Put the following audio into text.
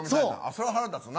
それは腹立つな。